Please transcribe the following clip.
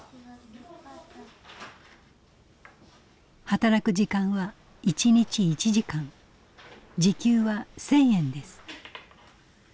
働く時間は１日１時間時給は１，０００円です。